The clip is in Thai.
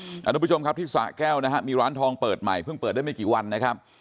คุณผู้ชมครับที่สะแก้วนะฮะมีร้านทองเปิดใหม่เพิ่งเปิดได้ไม่กี่วันนะครับ